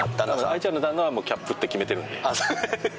藍ちゃんの旦那はもうキャップって決めてるんで。